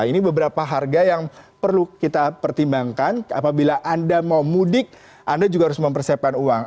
ini beberapa harga yang perlu kita pertimbangkan apabila anda mau mudik anda juga harus mempersiapkan uang